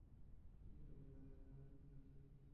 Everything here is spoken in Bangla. আপনি তো ভালোই মাথায় উঠছেন দেখছি।